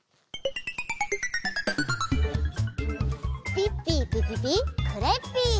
ピッピーピピピクレッピー！